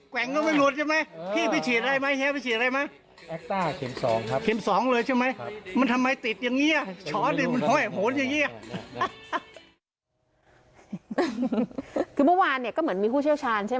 คือเมื่อวานเนี่ยก็เหมือนมีผู้ชาย